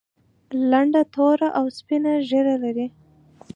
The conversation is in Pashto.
لنډه توره او سپینه ږیره لري.